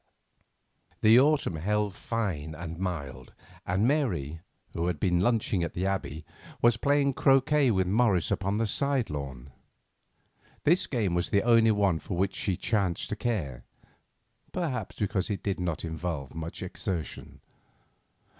The autumn held fine and mild, and Mary, who had been lunching at the Abbey, was playing croquet with Morris upon the side lawn. This game was the only one for which she chanced to care, perhaps because it did not involve much exertion.